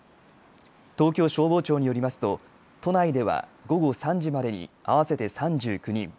東京消防庁によりますと都内では午後３時までに合わせて３９人。